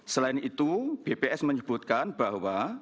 selain itu bps menyebutkan bahwa